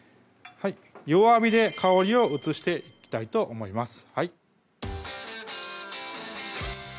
弱火で香りを移していきたいと思います